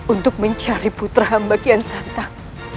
untuk mencari putra hamba kian santan